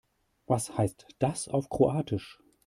Was heißt das auf Kroatisch?